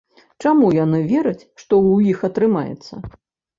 Чаму яны вераць, што ў іх атрымаецца?